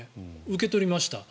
受け取りました。